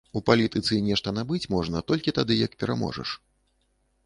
У палітыцы нешта набыць можна толькі тады, як пераможаш.